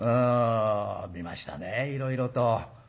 見ましたねいろいろと。